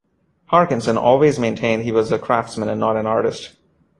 Parkinson always maintained he was a craftsman and not an artist.